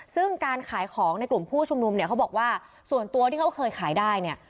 ซึ่งการขายของในกลุ่มผู้ชุมนุมเนี่ยเขาบอกว่าส่วนตัวที่เขาเคยขายได้เนี่ย